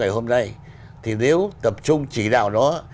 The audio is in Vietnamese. hôm nay thì nếu tập trung chỉ đạo nó